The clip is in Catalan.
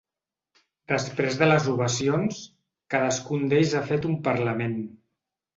Després de les ovacions, cadascun d’ells ha fet un parlament.